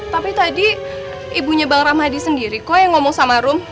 tapi tadi ibunya bang ramadi sendiri kok yang ngomong sama rum